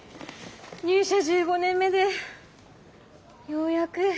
入社１５年目でようやく。